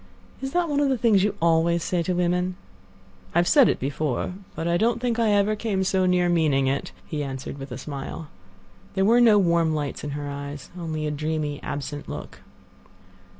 "Is that one of the things you always say to women?" "I have said it before, but I don't think I ever came so near meaning it," he answered with a smile. There were no warm lights in her eyes; only a dreamy, absent look.